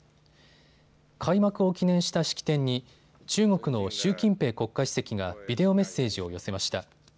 開幕を記念した式典に中国の習近平国家主席がビデオメッセージを寄せました。